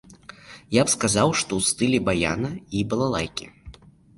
Я б сказаў, што ў стылі баяна і балалайкі!